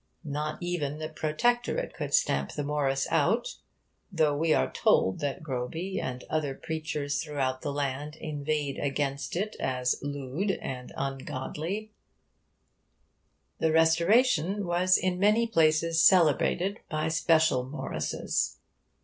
Not even the Protectorate could stamp the Morris out, though we are told that Groby and other preachers throughout the land inveighed against it as 'lewde' and 'ungodlie.' The Restoration was in many places celebrated by special Morrises.